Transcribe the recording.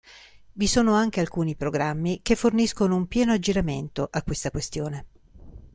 Vi sono anche alcuni programmi che forniscono un pieno aggiramento a questa questione.